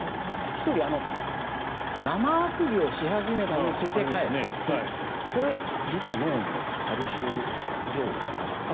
１人、生あくびをし始めたので連れ帰ったとこれ、実は脳の軽い症状なんですよね。